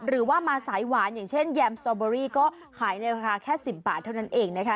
หรือว่ามาสายหวานอย่างเช่นแยมสตอเบอรี่ก็ขายในราคาแค่๑๐บาทเท่านั้นเองนะคะ